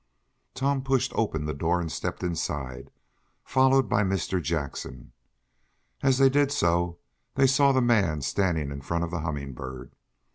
Tom pushed open the door and stepped inside, followed by Mr. Jackson. As they did so they saw the man standing in front of the Humming Bird.